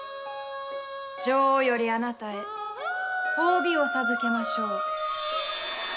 女王よりあなたへ褒美を授けましょう。